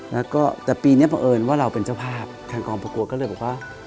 แล้วก็แต่ปีนี้บังเอิญว่าเราเป็นเจ้าภาพทางกองประกวดก็เลยบอกว่า